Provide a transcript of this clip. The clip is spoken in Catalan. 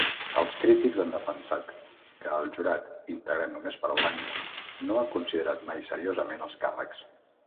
Els crítics han defensat que el jurat, integrat només per blancs, no ha considerat mai seriosament els càrrecs.